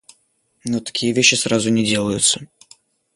Но такие вещи сразу не делаются.